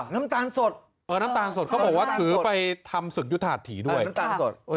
อ๋อน้ำตาลสดเออน้ำตาลสดก็บอกว่ามังถือไปทำศึกยุทธฑิน้ำถ่าถีด้วยน้ำตาลสด